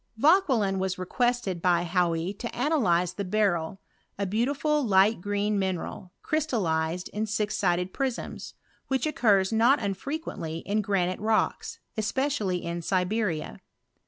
Vauquelin was requested by Hauy to analyze the beryl, a beautiful light green mineral, crystallized in sis'sided prisms, which occurs not unfrequently in granite rocks, especially in Siberia.